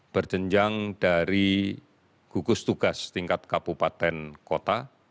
berjenjang dari gugus tugas tingkat kabupaten kota